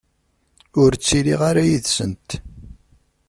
Ur ttiliɣ ara yid-sent.